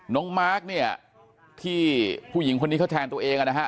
มาร์คเนี่ยที่ผู้หญิงคนนี้เขาแทนตัวเองนะฮะ